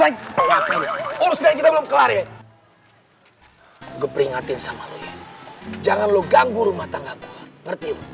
aja urus aja kita belum kelar ya gue peringatin sama lo ya jangan lo ganggu rumah tangga gue ngerti